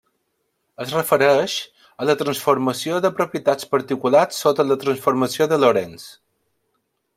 Es refereix a la transformació de propietats particulars sota una transformació de Lorentz.